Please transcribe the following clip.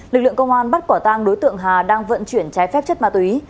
lực lượng công an bắt quả tang đối tượng hà đang vận chuyển trái phép chất ma túy